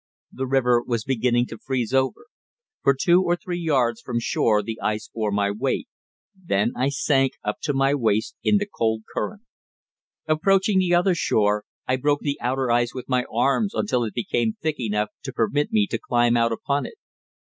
The river was beginning to freeze over. For two or three yards from shore the ice bore my weight; then I sank up to my waist in the cold current. Approaching the other shore, I broke the outer ice with my arms until it became thick enough to permit me to climb out upon it.